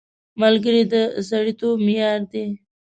ملګری د سړیتوب معیار دی